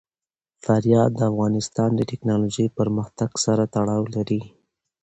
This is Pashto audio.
فاریاب د افغانستان د تکنالوژۍ پرمختګ سره تړاو لري.